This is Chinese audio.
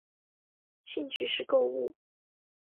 兴趣是购物。